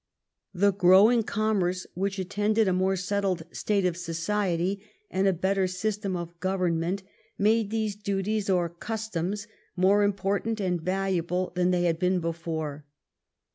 The growing commerce which attended a more settled state of society and a better system of government made these duties or customs more important and valuable than they had been before.